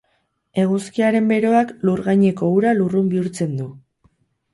Eguzkiaren beroak lurgaineko ura lurrun bihurtzen du.